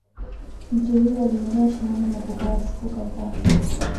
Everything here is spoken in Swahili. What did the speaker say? Mtu huyo aliingia shimoni na kukaa siku kadhaa